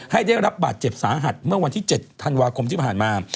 ได้รับบาดเจ็บสาหัสเมื่อวันที่๗ธันวาคมที่ผ่านมา